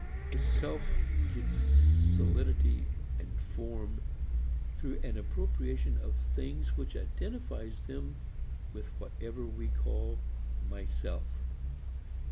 The self gets solidity and form through an appropriation of things which identifies them with whatever we call myself.